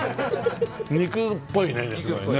肉っぽいねすごいね。